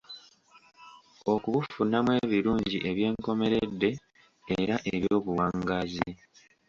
Okubufunamu ebirungi eby'enkomeredde era eby'obuwangaazi.